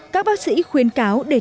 các bác sĩ khuyên cáo để tránh